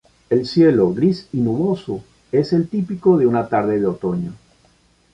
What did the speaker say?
El cielo, gris y nuboso, es el típico de una tarde de otoño.